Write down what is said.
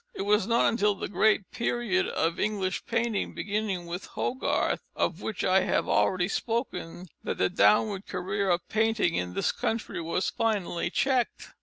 It was not until the great period of English painting, beginning with Hogarth, of which I have already spoken, that the downward career of painting in this country was finally checked.